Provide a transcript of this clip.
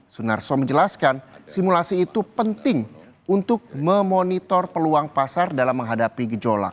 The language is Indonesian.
sunarso menjelaskan simulasi itu penting untuk memonitor peluang pasar dalam menghadapi gejolak